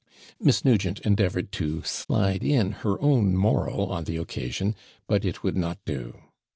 Miss Nugent endeavoured to slide in her own moral on the occasion, but it would not do.